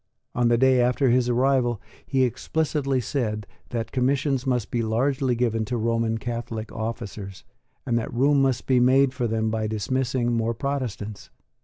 On the day after his arrival he explicitly said that commissions must be largely given to Roman Catholic officers, and that room must be made for them by dismissing more Protestants.